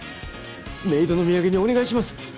冥土の土産にお願いします！